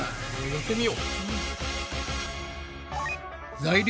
やってみよう。